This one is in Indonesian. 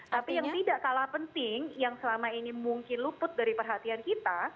tapi yang tidak kalah penting yang selama ini mungkin luput dari perhatian kita